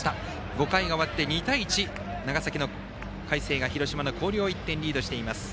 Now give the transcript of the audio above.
５回が終わって２対１長崎・海星が、広島・広陵を１点リードしています。